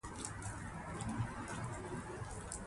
ښتې د افغان تاریخ په کتابونو کې ذکر شوی دي.